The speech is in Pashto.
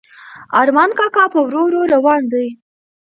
ارمان کاکا په ورو ورو روان دی.